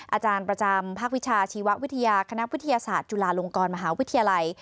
อาจารย์ประจำภาควิชาชีววิทยาคณะวิทยาศาสตร์จุฬาลงกรมหาวิทยาลัย